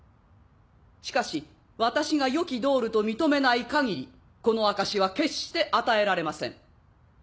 しかし私が良きドールと認めない限りこの証しは決して与えられません。